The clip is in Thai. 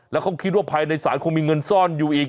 แล้วเขาคิดว่าภายในศาลคงมีเงินซ่อนอยู่อีก